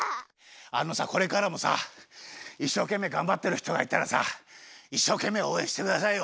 あのさこれからもさいっしょうけんめいがんばってる人がいたらさいっしょうけんめいおうえんしてくださいよ。